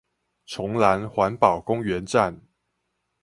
崇蘭環保公園站